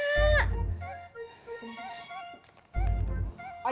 tati gak tau